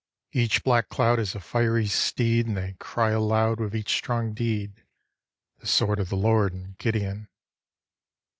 Each black cloud Is a fiery steed. And they cry aloud With each strong deed, "The sword of the Lord and Gideon."